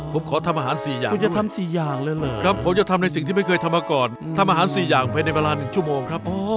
ผมขอทำอาหาร๔อย่างด้วยครับผมจะทำในสิ่งที่ไม่เคยทำมาก่อนทำอาหาร๔อย่างไปในเวลา๑ชั่วโมงครับ